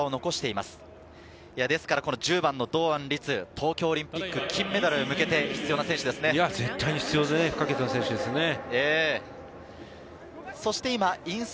ですから１０番の堂安律、東京オリンピック金メダルへ向けて必要絶対に必要不可欠な選手です。